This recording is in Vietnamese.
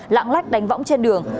lạng lách đánh võng trên đường